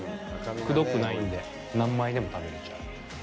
くどくないので、何枚でも食べれちゃう。